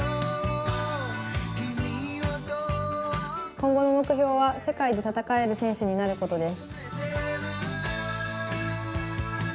今後の目標は世界で戦える選手になることです。